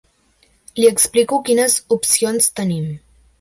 Li explico quines opcions tenim.